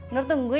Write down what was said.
nur tunggu ya